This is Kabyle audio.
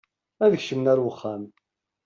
Ad kecmen ar wexxam.